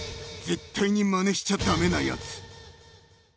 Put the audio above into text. ［絶対にまねしちゃ駄目なやつ］